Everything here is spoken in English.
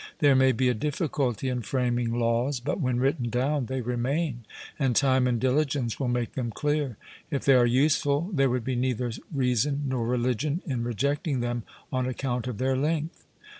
There may be a difficulty in framing laws, but when written down they remain, and time and diligence will make them clear; if they are useful there would be neither reason nor religion in rejecting them on account of their length.'